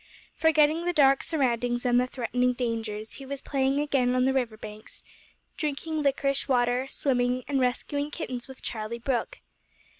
Forgetting the dark surroundings and the threatening dangers, he was playing again on the river banks, drinking liquorice water, swimming, and rescuing kittens with Charlie Brooke.